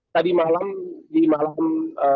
tadi malam di malam dua puluh tujuh